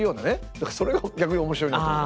だからそれが逆に面白いなと思う。